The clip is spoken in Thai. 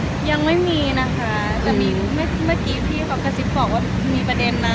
เพราะว่าเมื่อกี้พี่ของกสิบบอกมามีประเด็นนะ